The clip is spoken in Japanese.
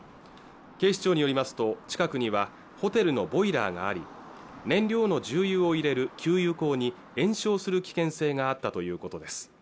警視庁によりますと近くにはホテルのボイラーがあり燃料の重油を入れる給油口に延焼する危険性があったということです